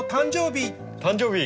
誕生日！？